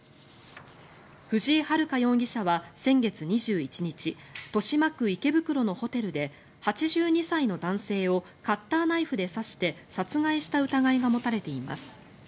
藤井遥容疑者は先月２１日豊島区池袋のホテルで８２歳の男性をカッターナイフで刺して殺害した疑いが持たれています。